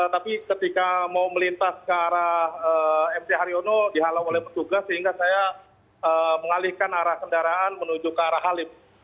tapi ketika mau melintas ke arah mc haryono dihalau oleh petugas sehingga saya mengalihkan arah kendaraan menuju ke arah halim